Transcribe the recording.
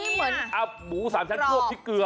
หมูสามชั้นพริกเกลือ